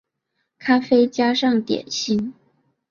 咖啡加上点心